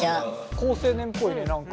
好青年っぽいね何か。